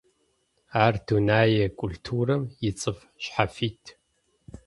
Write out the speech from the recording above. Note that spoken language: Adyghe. Ар дунэе культурэм ицӀыф шъхьафит.